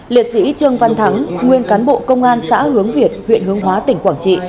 liệt sĩ trương văn thắng nguyên cán bộ công an xã hướng việt huyện hướng hóa tỉnh quảng trị